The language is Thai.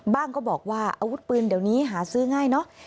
ก็บอกว่าอาวุธปืนเดี๋ยวนี้หาซื้อง่ายเนอะ